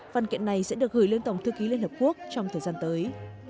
văn kiện này sẽ được gửi lên tổng thư ký liên hợp quốc trong thời gian tới